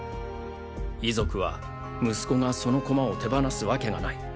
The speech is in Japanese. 遺族は「息子がその駒を手放すわけがない！